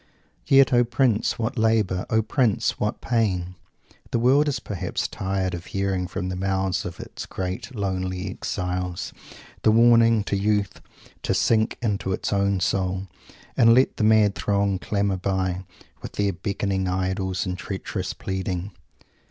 "Yet, O Prince, what labour! O Prince, what pain!" The world is perhaps tired of hearing from the mouths of its great lonely exiles the warning to youth "to sink unto its own soul," and let the mad throngs clamour by, with their beckoning idols, and treacherous pleading.